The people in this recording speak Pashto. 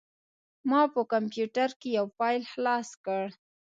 ما په کمپوټر کې یو فایل خلاص کړ.